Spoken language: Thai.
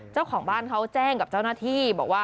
เจ้าของบ้านเขาแจ้งกับเจ้าหน้าที่บอกว่า